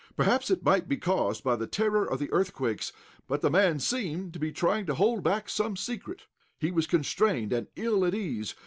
Perhaps it might be caused by the terror of the earthquakes, but the man seemed to be trying to hold back some secret. He was constrained and ill at ease.